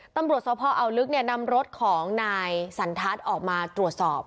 ตำรวจสพออาวลึกเนี่ยนำรถของนายสันทัศน์ออกมาตรวจสอบ